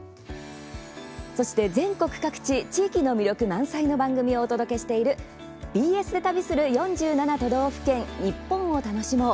そして、全国各地地域の魅力満載の番組をお届けしている「ＢＳで旅する４７都道府県ニッポンを楽しもう」。